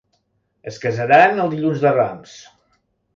Es casaran el dilluns de Rams.